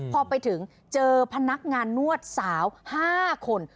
พอไปถึงเจอพนักงานนวดสาว๕คน